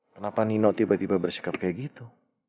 kenapa nino tiba tiba bersikap kayak gitu